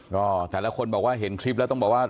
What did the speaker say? ก็แต่ละคนบอกว่าเห็นคลิปแล้วต้องบอกว่า